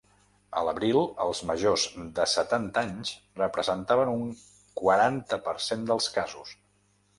A l'abril, els majors de setanta anys representaven un quaranta per cent dels casos.